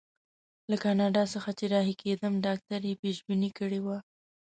له کاناډا څخه چې رهي کېدم ډاکټر یې پېشبیني کړې وه.